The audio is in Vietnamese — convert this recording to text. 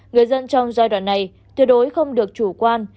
người dân trong giai đoạn này tuyệt đối không được chủ quan